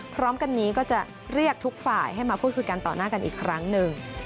พร้อมกันนี้ก็จะเรียกทุกฝ่ายให้มาพูดคุยกันต่อหน้ากันอีกครั้งหนึ่ง